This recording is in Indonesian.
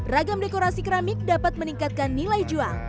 ragam dekorasi keramik dapat meningkatkan nilai jual